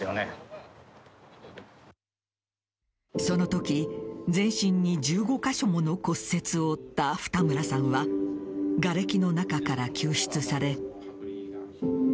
その時、全身に１５か所もの骨折を負った二村さんはがれきの中から救出され。